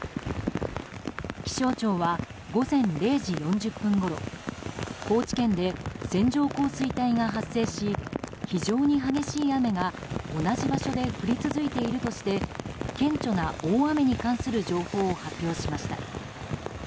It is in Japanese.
気象庁は午前０時４０分ごろ高知県で線状降水帯が発生し非常に激しい雨が同じ場所で降り続いているとして顕著な大雨に関する情報を発表しました。